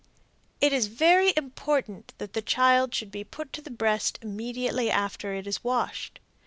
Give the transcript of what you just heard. It is very important that the child should be put to the breast immediately after it is washed.